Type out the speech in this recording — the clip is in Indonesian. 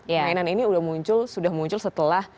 mainan ini sudah muncul setelah